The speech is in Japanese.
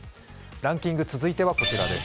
ランキング、続いてはこちらです。